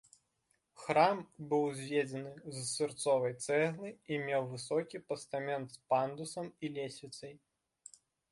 Храм быў узведзены з сырцовай цэглы і меў высокі пастамент з пандусам і лесвіцай.